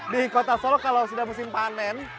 di kota solo kalau sudah musim panen